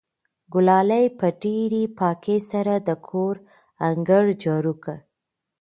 ګلالۍ په ډېرې پاکۍ سره د کور انګړ جارو کړ.